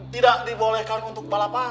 tidak dibolehkan untuk balapan